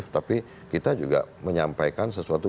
tapi kita juga menyampaikan sesuatu